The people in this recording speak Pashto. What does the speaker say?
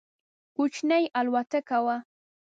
کوچنۍ الوتکه وه.